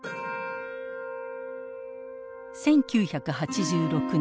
１９８６年。